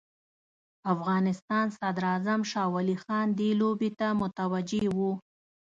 افغانستان صدراعظم شاه ولي خان دې لوبې ته متوجه وو.